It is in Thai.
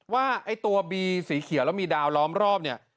ว่าไอ้ตัวบีสีเขียวแล้วมีดาวล้อมรอบเนี่ย